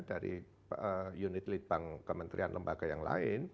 dari unit lidbang kementerian lembaga yang lain